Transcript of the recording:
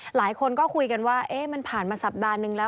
หลายคนก็คุยกันว่ามันผ่านมาสัปดาห์นึงแล้ว